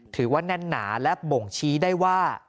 ถือว่าแน่นหนาและบ่งชี้ได้ว่า